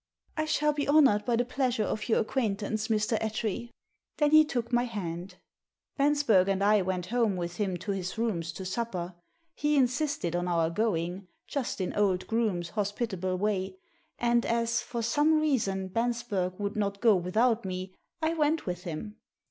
"I shall be honoured by the pleasure of your acquaintance, Mr. Attree." Then he took my hand. Bensberg and I went home with him to his rooms to supper. He insisted on our going — ^just in old Groome's hospitable way — and as, for some reason, Bensberg would not go without me, I went with him.